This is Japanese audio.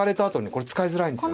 これ使いづらいんですよね。